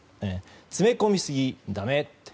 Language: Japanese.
詰め込みすぎ、だめと。